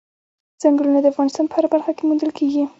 ځنګلونه د افغانستان په هره برخه کې موندل کېږي.